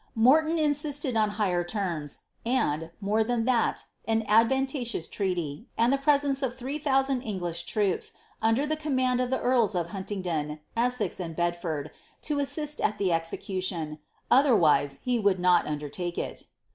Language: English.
Morton in fisicil on higher lermo, hikI, more ihan ihat, an ailvanuigtruus Ireaiy. and the presence of three thousand English troops, undpr the coiuinand or the earla of Huntingdon, Essex, and Bedfurd, to assist al (he execiilion, dihtrwi^ he would not nnilertake il.